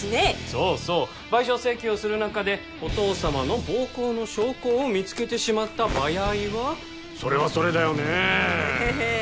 そうそう賠償請求をする中でお父様の暴行の証拠を見つけてしまったばやいはそれはそれだよねええ